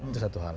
itu satu hal